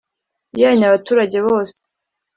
Yanyu abaturage bose